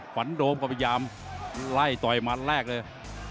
ขวัญโดมก็พยายามไล่ต่อยมันแรกเลย